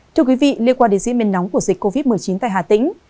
thưa quý vị liên quan đến diễn biến nóng của dịch covid một mươi chín tại hà tĩnh